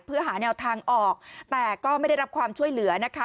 เพื่อหาแนวทางออกแต่ก็ไม่ได้รับความช่วยเหลือนะคะ